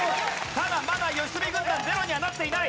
ただまだ良純軍団ゼロにはなっていない。